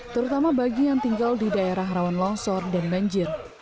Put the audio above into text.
terutama bagi yang tinggal di daerah rawan longsor dan banjir